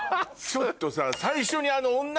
ちょっとさ。